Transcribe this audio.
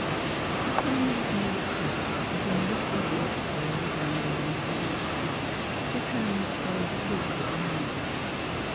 n6 NEIGHBORS The sun was near its setting as the minister walked slowly down the long village street, his hands folded loosely behind him.